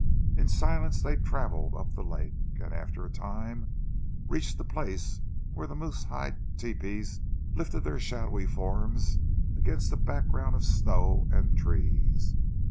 In silence they travelled up the lake, and after a time reached the place where the moose hide tepees lifted their shadowy forms against the background of snow and trees.